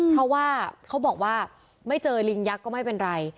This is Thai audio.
เพราะว่าเขาบอกว่าไม่เจอลิงยักษ์ก็ไม่เป็นไร